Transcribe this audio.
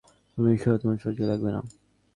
তুমি নিশ্চিত তোমার সহযোগী লাগবে না?